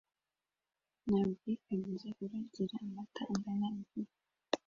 Nta bwikanyize uragira amata angana imvura,